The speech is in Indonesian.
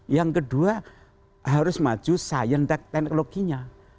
yang kedua harus maju sain dan teknologinya